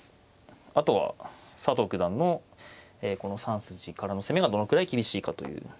あとは佐藤九段のこの３筋からの攻めがどのくらい厳しいかという。